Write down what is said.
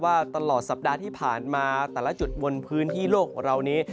ว่าตลอดสัปดาห์ที่ผ่านมาแต่ละจุดบนพื้นที่โลกของเรานี้